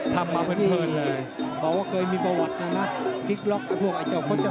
จะชอบฟ้ามันออกมาตั้งหลังนะ